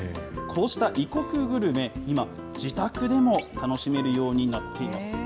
こうした異国グルメ、今、自宅でも楽しめるようになっています。